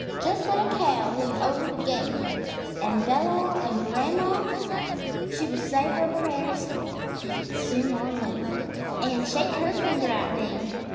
Just let a cow lean over the gate An' bellow, an' gran'ma she Will say her prayers, if it's soon or late, An' shake her finger at me!